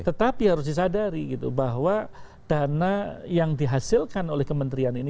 tetapi harus disadari gitu bahwa dana yang dihasilkan oleh kementerian ini